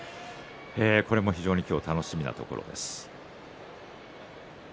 これも非常に今日楽しみなところです。